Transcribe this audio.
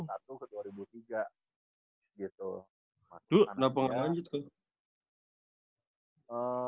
aduh kenapa nggak lanjut tuh